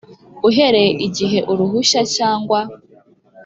uhereye igihe uruhushya cyangwa